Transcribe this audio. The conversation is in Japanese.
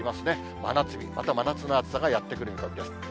真夏日、また真夏の暑さがやって来る見込みです。